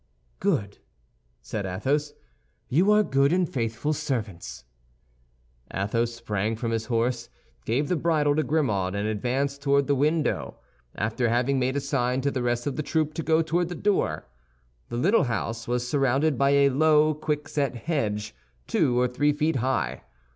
"Good!" said Athos. "You are good and faithful servants." Athos sprang from his horse, gave the bridle to Grimaud, and advanced toward the window, after having made a sign to the rest of the troop to go toward the door. The little house was surrounded by a low, quickset hedge, two or three feet high.